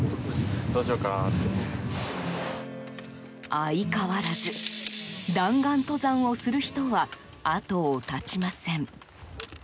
相変わらず弾丸登山をする人は後を絶ちません。